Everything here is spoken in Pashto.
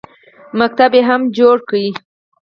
ښوونځي یې هم جوړ کړل.